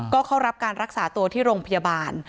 ก็เข้ารับการรักษาตัวที่โรงพยาบาล